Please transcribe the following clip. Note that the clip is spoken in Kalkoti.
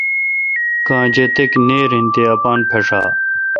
کاں جتک نییر این تے اپان پھݭا ۔